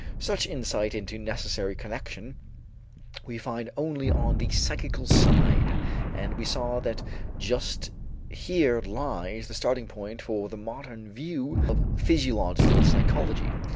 Such insight into necessary connection we find only on the physical side, and we saw that just here lies the starting point for the modern view of physiological psychology.